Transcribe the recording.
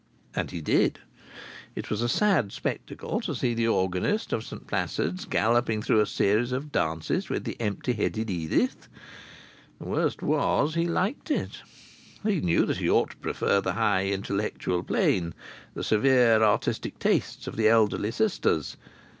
And he did. It was a sad spectacle to see the organist of St Placid's galloping through a series of dances with the empty headed Edith. The worst was, he liked it. He knew that he ought to prefer the high intellectual plane, the severe artistic tastes, of the elderly sisters.